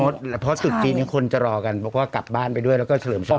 ใช่เพราะสุดจีนคนจะรอกันเพราะว่ากลับบ้านไปด้วยแล้วก็เฉลิมชอบ